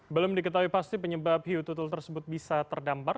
belum diketahui pasti penyebab hiu tutul tersebut bisa terdampar